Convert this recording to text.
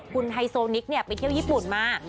คุณไฮโซนิกไปเที่ยวญี่ปุ่นมา